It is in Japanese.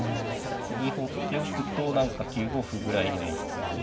次ほっておくと何か９五歩ぐらいでも普通に。